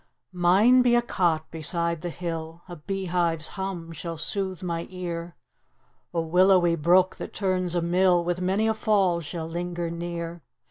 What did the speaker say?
Mine be a cot beside the hill, A bee hive's hum shall sooth my ear; A willowy brook, that turns a mill, With many a fall shall linger near.